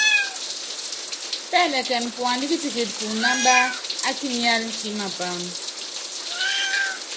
Pɛ́ɛnɛkɛn puand kitikit pú inámb á kinyál kí mapáam.